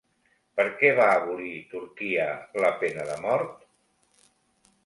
Per què va abolir Turquia la pena de mort?